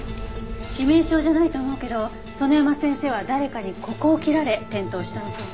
致命傷じゃないと思うけど園山先生は誰かにここを切られ転倒したのかも。